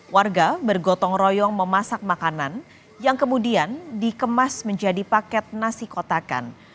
warga bergotong royong memasak makanan yang kemudian dikemas menjadi paket nasi kotakan